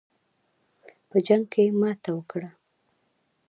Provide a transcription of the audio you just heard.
په جنګ کې ماته وکړه.